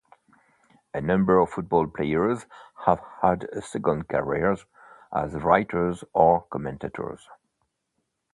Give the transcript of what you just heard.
A number of football players have had a second career as writers or commentators.